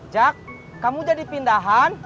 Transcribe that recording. jak kamu jadi pindahan